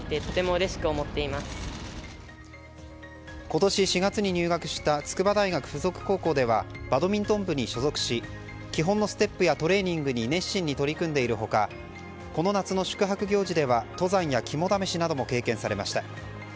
今年４月に入学した筑波大学附属高校ではバドミントン部に所属し基本のステップやトレーニングに熱心に取り組んでいる他この夏の宿泊行事では登山や肝試しなども経験されました。